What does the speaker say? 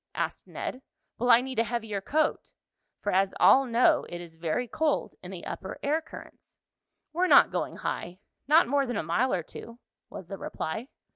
asked Ned. "Will I need a heavier coat?" for as all know, it is very cold in the upper air currents. "We're not going high, not more than a mile or two," was the reply.